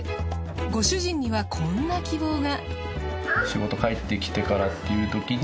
ご主人にはこんな希望が。